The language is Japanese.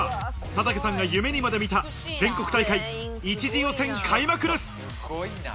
佐竹さんが夢にまで見た全国大会１次予選、開幕です。